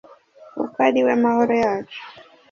Kuko Ari We Mahoro Yacu